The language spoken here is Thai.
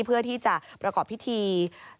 เพื่อที่จะประกอบพิธี